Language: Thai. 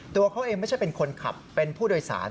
ตัวเขาเองไม่ใช่เป็นคนขับเป็นผู้โดยสาร